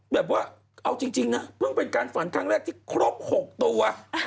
แบบว่าเอาจริงนะเพิ่งเป็นการฝันครั้งแรกที่ครบ๖ตัว